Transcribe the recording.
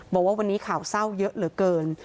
บอกว่าวันนี้ข่าวเศร้าเยอะเหลือเกิน